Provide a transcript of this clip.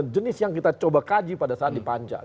jenis yang kita coba kaji pada saat di panca